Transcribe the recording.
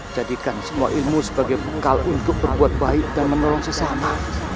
jadikan semua ilmu sebagai bekal untuk berbuat baik dan menolong sesama